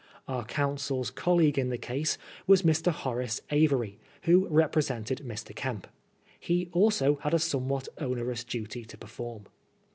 Our counsel's colleague in the case was Mr. Horace Avory, who represented Mr. Eemp. He also had a somewhat onerous duty to perform.